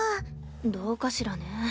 どうかしらね。